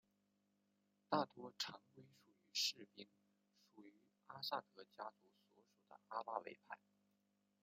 大多常规职业士兵属于阿萨德家族所属的阿拉维派。